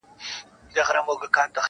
• د ښکاری هم حوصله پر ختمېدو وه -